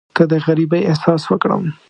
که د غریبۍ احساس وکړم.